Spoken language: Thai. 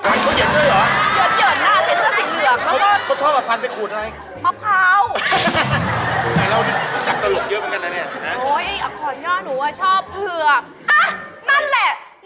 ฟันเขาเหยินได้เหรอ